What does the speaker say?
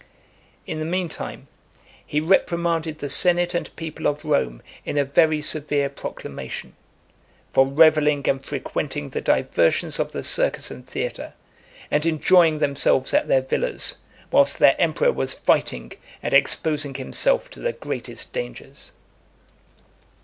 In the mean time, he reprimanded the senate and people of Rome in a very severe proclamation, "For revelling and frequenting the diversions of the circus and theatre, and enjoying themselves at their villas, whilst their emperor was fighting, and exposing himself to the greatest dangers."